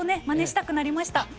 まねしたくなりました。